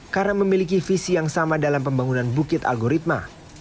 karena memiliki visi yang sama dalam pembangunan bukit algoritma